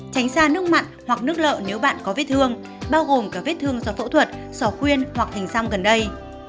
tránh xa nước mặn hoặc nước lợ nếu bạn có vết thương bao gồm cả vết thương do phẫu thuật sò quyên hoặc hình xăm gần đây